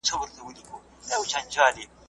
کومي لاري موږ خپلو هیلو ته رسوي؟